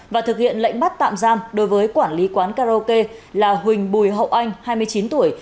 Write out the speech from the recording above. và thực hiện lệnh bắt tạm giam đối với quản lý quán karaoke là huỳnh bùi hậu anh hai mươi chín tuổi